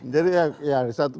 jadi ya satu